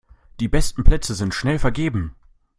Die besten Plätze sind schnell vergeben.